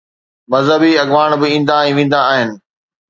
مذهبي اڳواڻ به ايندا ۽ ويندا آهن.